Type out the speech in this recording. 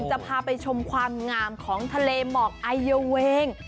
จะพาไปชมความงามของทะเลหมอกไอเยาเวง